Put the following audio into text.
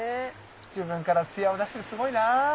自分からツヤを出してすごいな。